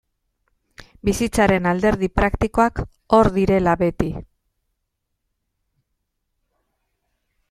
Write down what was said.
Bizitzaren alderdi praktikoak hor direla beti.